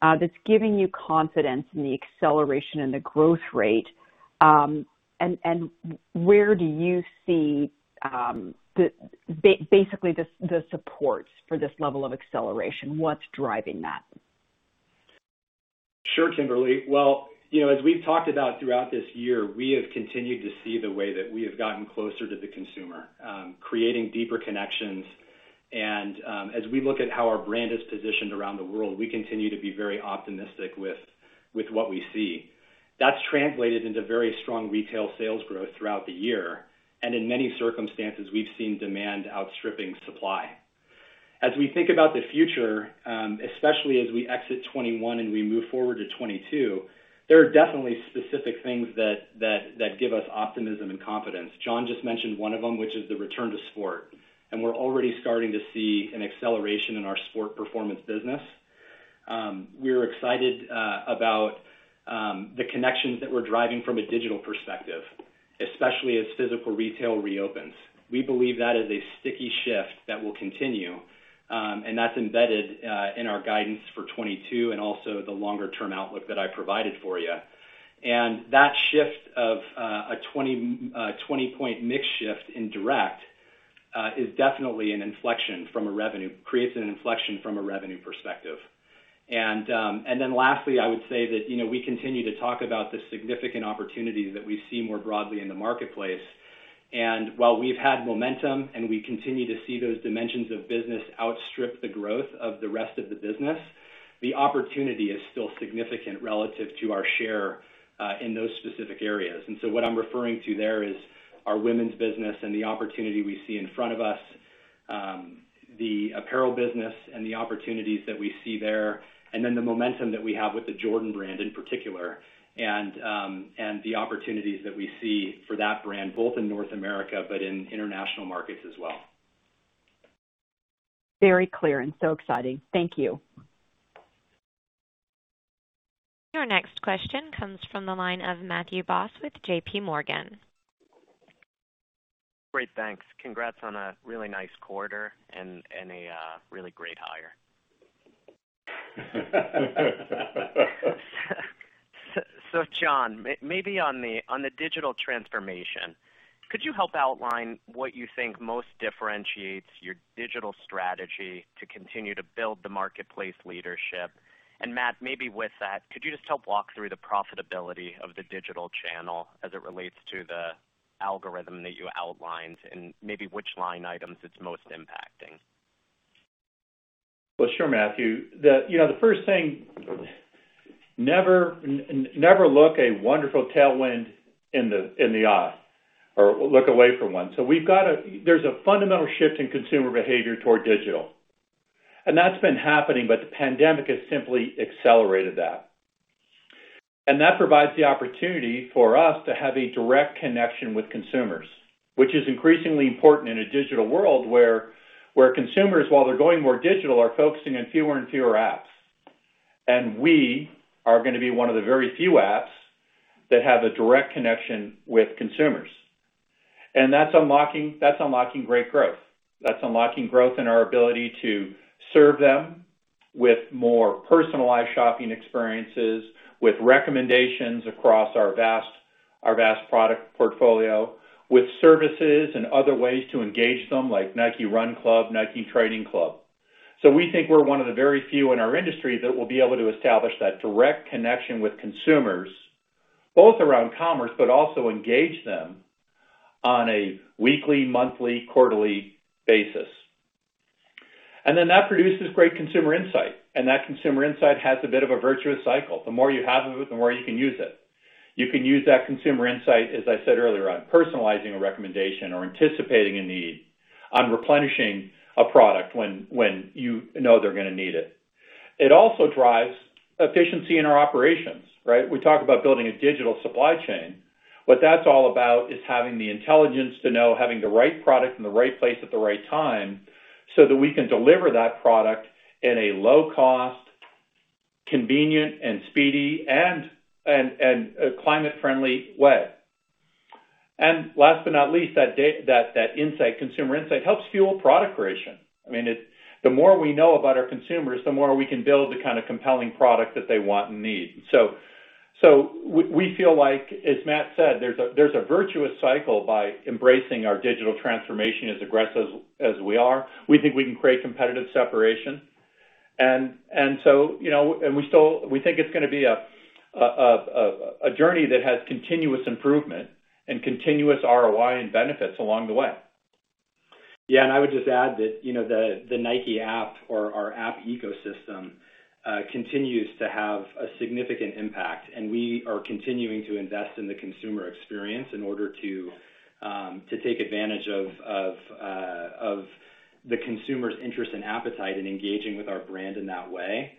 that's giving you confidence in the acceleration and the growth rate. And where do you see basically the supports for this level of acceleration? What's driving that? Sure, Kimberly. Well, you know, as we've talked about throughout this year, we have continued to see the way that we have gotten closer to the consumer, creating deeper connections. As we look at how our brand is positioned around the world, we continue to be very optimistic with what we see. That's translated into very strong retail sales growth throughout the year. In many circumstances, we've seen demand outstripping supply. As we think about the future, especially as we exit 2021 and we move forward to 2022, there are definitely specific things that give us optimism and confidence. John just mentioned one of them, which is the return to sport, we're already starting to see an acceleration in our sport performance business. We're excited about the connections that we're driving from a digital perspective, especially as physical retail reopens. We believe that is a sticky shift that will continue, and that's embedded in our guidance for 2022 and also the longer-term outlook that I provided for you. That shift of a 20-point mix shift in direct creates an inflection from a revenue perspective. Lastly, I would say that, you know, we continue to talk about the significant opportunities that we see more broadly in the marketplace. While we've had momentum, and we continue to see those dimensions of business outstrip the growth of the rest of the business, the opportunity is still significant relative to our share in those specific areas. What I'm referring to there is our women's business and the opportunity we see in front of us, the apparel business and the opportunities that we see there, and then the momentum that we have with the Jordan Brand in particular and the opportunities that we see for that brand, both in North America, but in international markets as well. Very clear and so exciting. Thank you. Your next question comes from the line of Matthew Boss with JPMorgan. Great. Thanks. Congrats on a really nice quarter and a really great hire. John, maybe on the digital transformation, could you help outline what you think most differentiates your digital strategy to continue to build the marketplace leadership? Matt, maybe with that, could you just help walk through the profitability of the digital channel as it relates to the algorithm that you outlined and maybe which line items it's most impacting? Sure, Matthew. You know, the first thing, never look a wonderful tailwind in the eye or look away from one. We've got a there's a fundamental shift in consumer behavior toward digital, and that's been happening, but the pandemic has simply accelerated that. That provides the opportunity for us to have a direct connection with consumers, which is increasingly important in a digital world where consumers, while they're going more digital, are focusing on fewer and fewer apps. We are gonna be one of the very few apps that have a direct connection with consumers. That's unlocking great growth. That's unlocking growth in our ability to serve them with more personalized shopping experiences, with recommendations across our vast product portfolio, with services and other ways to engage them, like Nike Run Club, Nike Training Club. We think we're one of the very few in our industry that will be able to establish that direct connection with consumers, both around commerce, but also engage them on a weekly, monthly, quarterly basis. That produces great consumer insight, and that consumer insight has a bit of a virtuous cycle. The more you have of it, the more you can use it. You can use that consumer insight, as I said earlier, on personalizing a recommendation or anticipating a need, on replenishing a product when you know they're gonna need it. It also drives efficiency in our operations, right? We talk about building a digital supply chain. What that's all about is having the intelligence to know having the right product in the right place at the right time so that we can deliver that product in a low cost, convenient, and speedy and a climate friendly way. Last but not least, that insight, consumer insight helps fuel product creation. I mean, the more we know about our consumers, the more we can build the kind of compelling product that they want and need. So we feel like, as Matt said, there's a virtuous cycle by embracing our digital transformation as aggressive as we are. We think we can create competitive separation. You know, we think it's gonna be a journey that has continuous improvement and continuous ROI and benefits along the way. Yeah. I would just add that, you know, the Nike App or our app ecosystem continues to have a significant impact, and we are continuing to invest in the consumer experience in order to take advantage of the consumer's interest and appetite in engaging with our brand in that way.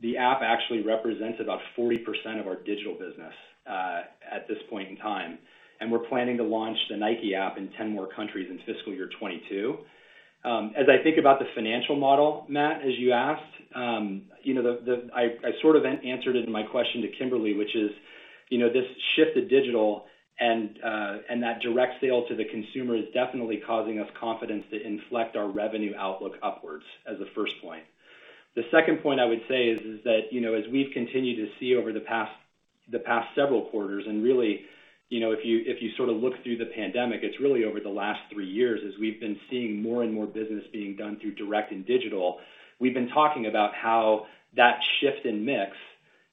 The app actually represents about 40% of our digital business at this point in time, and we're planning to launch the Nike App in 10 more countries in fiscal year 2022. As I think about the financial model, Matt, as you asked, you know, I sort of answered it in my question to Kimberly, which is. You know, this shift to digital and that direct sale to the consumer is definitely causing us confidence to inflect our revenue outlook upwards as a first point. The second point I would say is that, you know, as we've continued to see over the past several quarters and really, you know, if you sort of look through the pandemic, it's really over the last three years as we've been seeing more and more business being done through direct and digital. We've been talking about how that shift in mix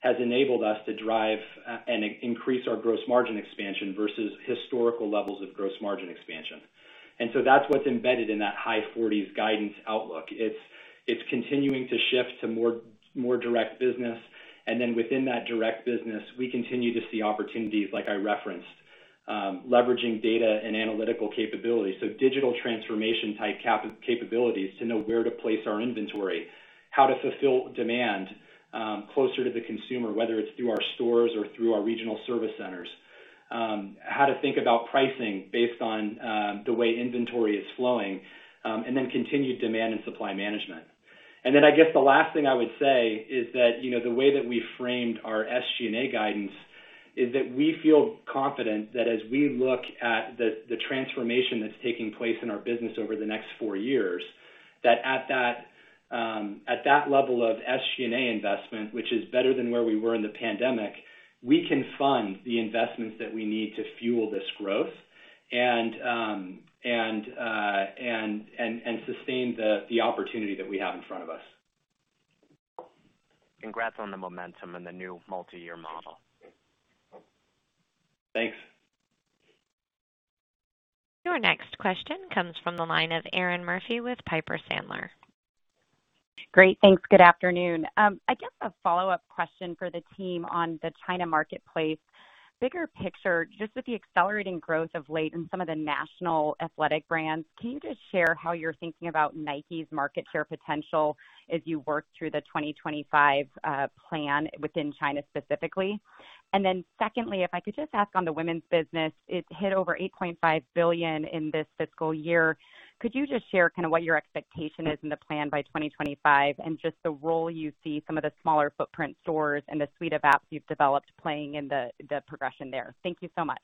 has enabled us to drive and increase our gross margin expansion versus historical levels of gross margin expansion. That's what's embedded in that high 40s guidance outlook. It's continuing to shift to more direct business. Within that direct business, we continue to see opportunities like I referenced, leveraging data and analytical capabilities. Digital transformation type capabilities to know where to place our inventory, how to fulfill demand, closer to the consumer, whether it's through our stores or through our regional service centers. How to think about pricing based on the way inventory is flowing, continued demand and supply management. I guess the last thing I would say is that, you know, the way that we framed our SG&A guidance is that we feel confident that as we look at the transformation that's taking place in our business over the next four years, that at that level of SG&A investment, which is better than where we were in the pandemic, we can fund the investments that we need to fuel this growth and sustain the opportunity that we have in front of us. Congrats on the momentum and the new multi-year model. Thanks. Your next question comes from the line of Erinn Murphy with Piper Sandler. Great, thanks. Good afternoon. I guess a follow-up question for the team on the China marketplace. Bigger picture, just with the accelerating growth of late in some of the national athletic brands, can you just share how you're thinking about Nike's market share potential as you work through the 2025 plan within China specifically? Secondly, if I could just ask on the women's business, it hit over $8.5 billion in this fiscal year. Could you just share kind of what your expectation is in the plan by 2025 and just the role you see some of the smaller footprint stores and the suite of apps you've developed playing in the progression there? Thank you so much.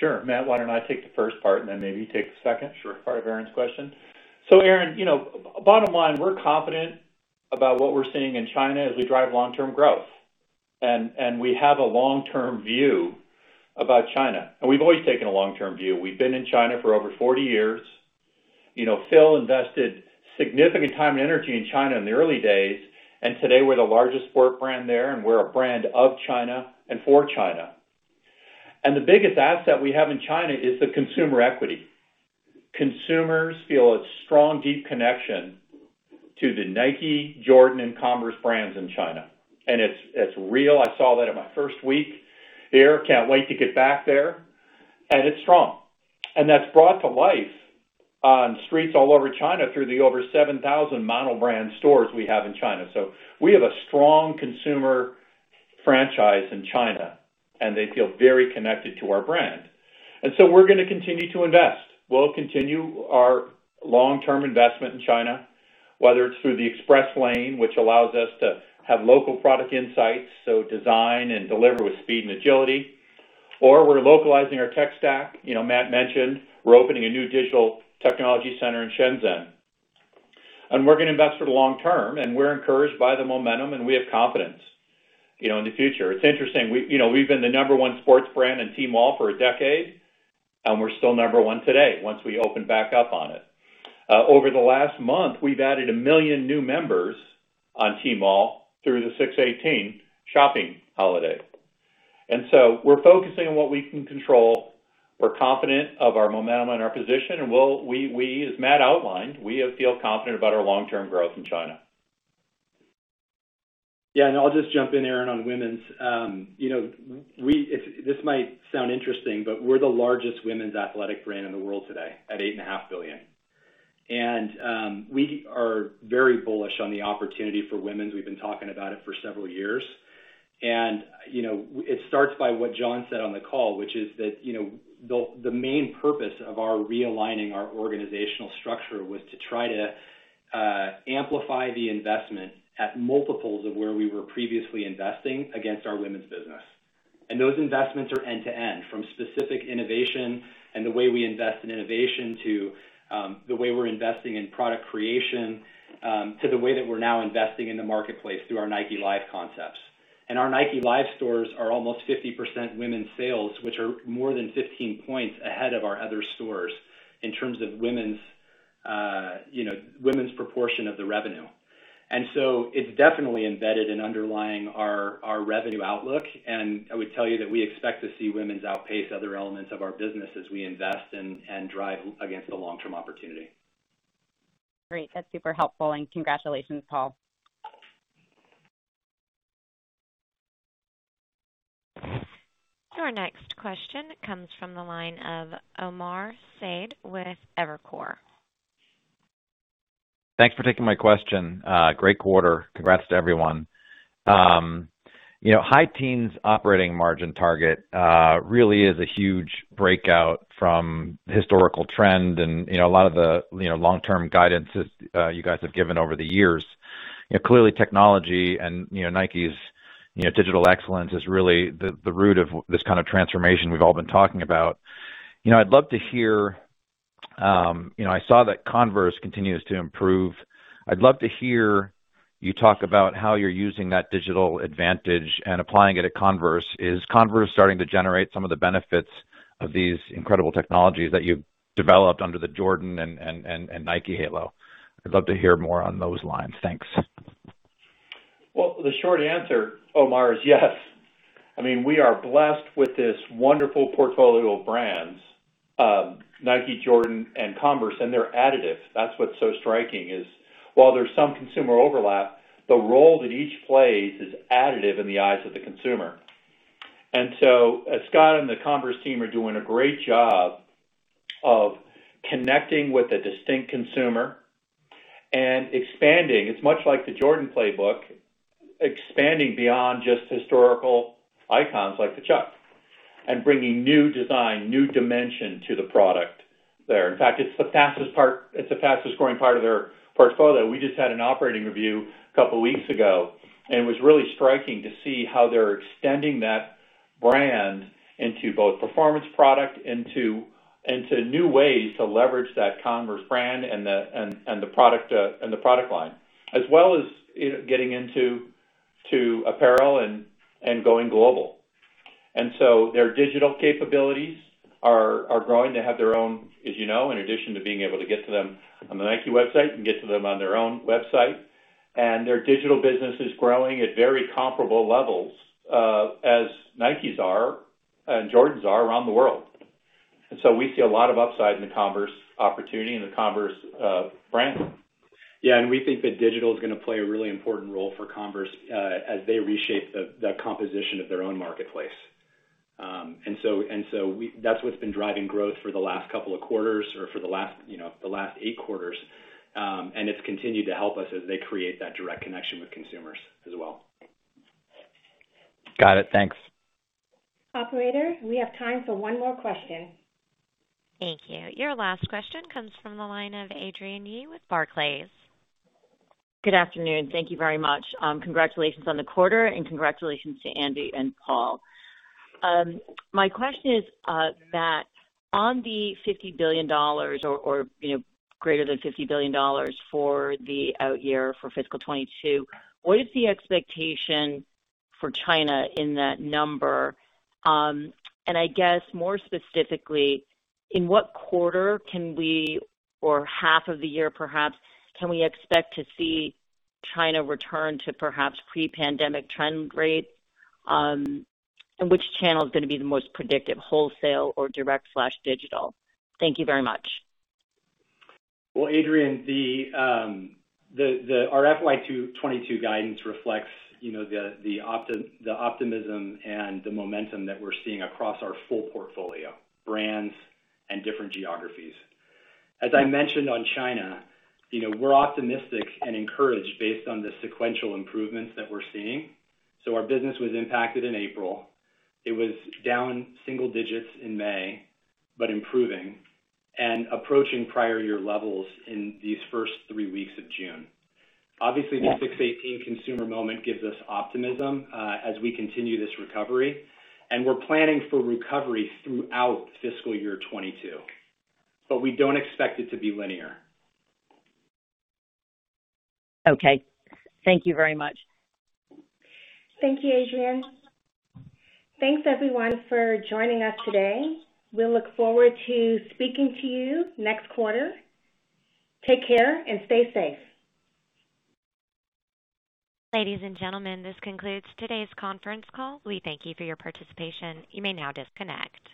Sure. Matt, why don't I take the first part and then maybe take the second. Sure. Part of Erinn's question. Erinn, you know, bottom line, we're confident about what we're seeing in China as we drive long-term growth. We have a long-term view about China, and we've always taken a long-term view. We've been in China for over 40 years. You know, Phil invested significant time and energy in China in the early days, and today we're the largest sport brand there, and we're a brand of China and for China. The biggest asset we have in China is the consumer equity. Consumers feel a strong, deep connection to the Nike, Jordan, and Converse brands in China. It's real. I saw that in my first week there. Can't wait to get back there. It's strong. That's brought to life on streets all over China through the over 7,000 monobrand stores we have in China. We have a strong consumer franchise in China, and they feel very connected to our brand. We're gonna continue to invest. We'll continue our long-term investment in China, whether it's through the Express Lane, which allows us to have local product insights, so design and deliver with speed and agility, or we're localizing our tech stack. You know, Matt mentioned we're opening a new digital technology center in Shenzhen. We're gonna invest for the long term, and we're encouraged by the momentum, and we have confidence, you know, in the future. It's interesting. We, you know, we've been the number one sports brand in Tmall for a decade, and we're still number one today once we open back up on it. Over the last month, we've added 1 million new members on Tmall through the 618 shopping holiday. We're focusing on what we can control. We're confident of our momentum and our position, and we as Matt outlined, we feel confident about our long-term growth in China. Yeah. I'll just jump in, Erinn, on women's. You know, this might sound interesting, but we're the largest women's athletic brand in the world today at $8.5 billion. We are very bullish on the opportunity for women's. We've been talking about it for several years. You know, it starts by what John said on the call, which is that, you know, the main purpose of our realigning our organizational structure was to try to amplify the investment at multiples of where we were previously investing against our women's business. Those investments are end to end, from specific innovation and the way we invest in innovation to the way we're investing in product creation, to the way that we're now investing in the marketplace through our Nike Live concepts. Our Nike Live stores are almost 50% women's sales, which are more than 15 points ahead of our other stores in terms of women's, you know, women's proportion of the revenue. It's definitely embedded and underlying our revenue outlook. I would tell you that we expect to see women's outpace other elements of our business as we invest and drive against the long-term opportunity. Great. That's super helpful and congratulations, Paul. Our next question comes from the line of Omar Saad with Evercore. Thanks for taking my question. Great quarter. Congrats to everyone. You know, high teens operating margin target really is a huge breakout from historical trend and, you know, a lot of the, you know, long-term guidances you guys have given over the years. You know, clearly technology and, Nike's digital excellence is really the root of this kind of transformation we've all been talking about. You know, I'd love to hear, you know, I saw that Converse continues to improve. I'd love to hear you talk about how you're using that digital advantage and applying it at Converse. Is Converse starting to generate some of the benefits of these incredible technologies that you've developed under the Jordan and Nike halo? I'd love to hear more on those lines. Thanks. Well, the short answer, Omar Saad, is yes. I mean, we are blessed with this wonderful portfolio of brands, Nike, Jordan, and Converse. They're additive. That's what's so striking is while there's some consumer overlap, the role that each plays is additive in the eyes of the consumer. As Scott and the Converse team are doing a great job of connecting with a distinct consumer and expanding, it's much like the Jordan playbook, expanding beyond just historical icons like the Chuck and bringing new design, new dimension to the product there. In fact, it's the fastest growing part of their portfolio. We just had an operating review a couple weeks ago, and it was really striking to see how they're extending that brand into both performance product, into new ways to leverage that Converse brand and the product, and the product line, as well as, you know, getting into apparel and going global. Their digital capabilities are growing. They have their own, as you know, in addition to being able to get to them on the Nike website, you can get to them on their own website. Their digital business is growing at very comparable levels as Nike's are and Jordan's are around the world. We see a lot of upside in the Converse opportunity and the Converse brand. Yeah. We think that digital is gonna play a really important role for Converse as they reshape the composition of their own marketplace. That's what's been driving growth for the last couple of quarters or for the last, you know, eight quarters. It's continued to help us as they create that direct connection with consumers as well. Got it. Thanks. Operator, we have time for one more question. Thank you. Your last question comes from the line of Adrienne Yih with Barclays. Good afternoon. Thank you very much. Congratulations on the quarter and congratulations to Andy and Paul. My question is, on the $50 billion or greater than $50 billion for the out year for fiscal 2022, what is the expectation for China in that number? I guess more specifically, in what quarter can we or half of the year, perhaps, can we expect to see China return to perhaps pre-pandemic trend rates? Which channel is gonna be the most predictive, wholesale or direct/digital? Thank you very much. Well, Adrienne, our FY 2022 guidance reflects, you know, the optimism and the momentum that we're seeing across our full portfolio, brands and different geographies. As I mentioned on China, you know, we're optimistic and encouraged based on the sequential improvements that we're seeing. Our business was impacted in April. It was down single digits in May, but improving and approaching prior year levels in these first three weeks of June. Obviously, the 618 consumer moment gives us optimism as we continue this recovery, and we're planning for recovery throughout fiscal year 2022, but we don't expect it to be linear. Okay. Thank you very much. Thank you, Adrienne. Thanks, everyone, for joining us today. We look forward to speaking to you next quarter. Take care and stay safe. Ladies and gentlemen, this concludes today's conference call. We thank you for your participation. You may now disconnect.